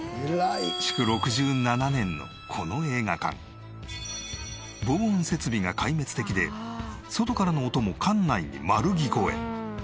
築６７年のこの映画館防音設備が壊滅的で外からの音も館内に丸聞こえ。